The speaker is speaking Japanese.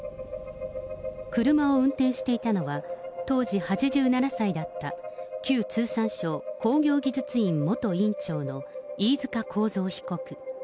車を運転していたのは、当時８７歳だった旧通産省工業技術院元院長の飯塚幸三被告。